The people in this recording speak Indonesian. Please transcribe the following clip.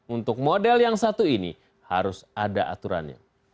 untuk model yang satu ini harus ada aturannya